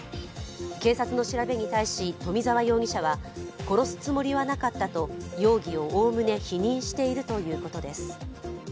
警察の調べに対し冨澤容疑者は、殺すつもりはなかったと、容疑をおおむね否認しているということです。